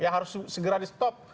harus segera di stop